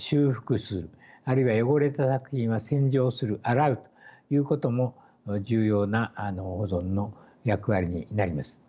あるいは汚れた作品は洗浄する洗うということも重要な保存の役割になります。